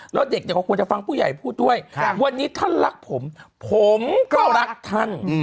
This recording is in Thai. แล้วเด็กก็ควรจะฟังผู้ใหญ่พูดด้วยวันนี้ท่านรักผมผมก็รักท่าน